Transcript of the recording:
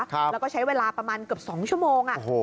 แล้วก็ใช้เวลาประมาณเกือบ๒ชั่วโมง